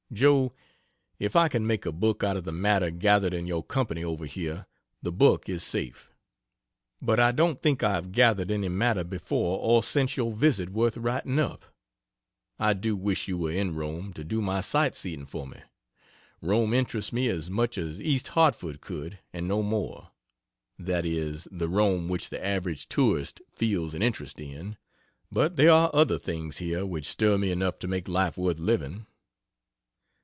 Joe, if I can make a book out of the matter gathered in your company over here, the book is safe; but I don't think I have gathered any matter before or since your visit worth writing up. I do wish you were in Rome to do my sightseeing for me. Rome interests me as much as East Hartford could, and no more. That is, the Rome which the average tourist feels an interest in; but there are other things here which stir me enough to make life worth living.